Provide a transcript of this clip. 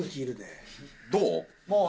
どう？